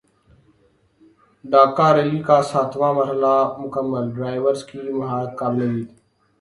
Dakar Rally کا ساتواں مرحلہ مکمل ڈرائیورز کی مہارت قابل دید